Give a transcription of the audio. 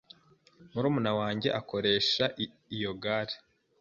Murumuna wanjye akoresha iyo gare.